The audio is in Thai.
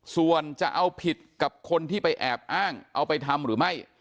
ส่วนจะเอาผิดกับคนที่ไปแอบอ้างเอาไปทำหรือไม่